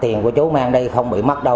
tiền của chú mang đây không bị mất đâu